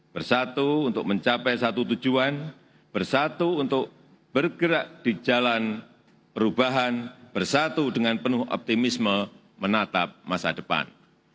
bersatu untuk mencapai satu tujuan bersatu untuk bergerak di jalan perubahan bersatu dengan penuh optimisme menatap masa depan